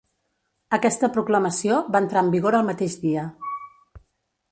Aquesta proclamació va entrar en vigor el mateix dia.